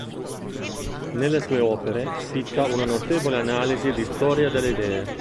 Nelle sue opere spicca una notevole analisi di storia delle idee.